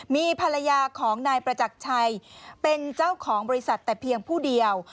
มีภรรยาของนายประจักรชัยเป็นเจ้าของบริษัทแต่เพียงผู้เดียว